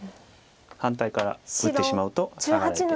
反対から打ってしまうとハワれて。